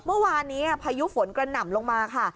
เมื่อวานนี้พายุฝนกระหน่ำลงมาค่ะ